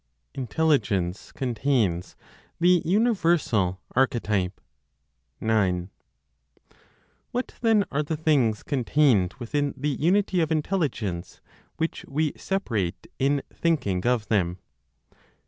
INTELLIGENCE CONTAINS THE UNIVERSAL ARCHETYPE. 9. What then are the things contained within the unity of Intelligence which we separate in thinking of them?